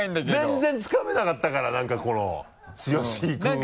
全然つかめなかったからなんかこの剛君風な。